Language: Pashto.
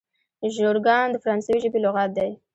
ژورګان د فرانسوي ژبي لغات دئ.